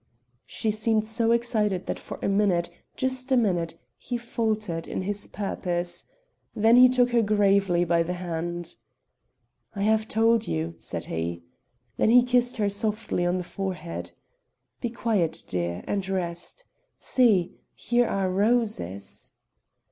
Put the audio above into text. She seemed so excited that for a minute, just a minute, he faltered in his purpose. Then he took her gravely by the hand. "I have told you," said he. Then he kissed her softly on the forehead. "Be quiet, dear, and rest. See! here are roses."